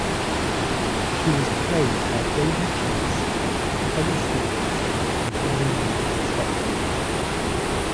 She was played by Daveigh Chase, Kelly Stables and Bonnie Morgan, respectively.